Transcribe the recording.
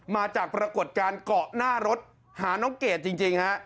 มาจากปรากฏการณ์เกาะหน้ารถหาน้องเกดจริงฮะ